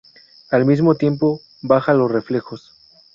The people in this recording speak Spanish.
Al mismo tiempo, baja los reflejos.